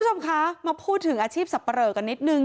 คุณผู้ชมคะมาพูดถึงอาชีพสับปะเหลอกันนิดนึง